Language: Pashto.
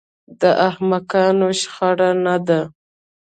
دا احمقانه شخړه نه ده